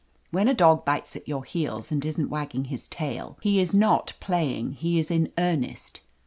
(When a dog bites at your heels, and isn't wagging his tail, he is not playing ; he is in earnest.